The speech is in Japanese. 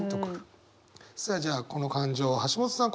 さあじゃあこの感情橋本さん